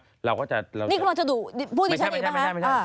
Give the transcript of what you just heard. นี่คุณบอกจะดุพูดดิฉันดีบ้างนะ